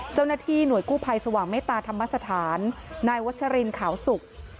เจ้าหน้าที่หน่วยกู้ภัยสว่างเมตตาธรรมสถานนายวัชรินขาวสุก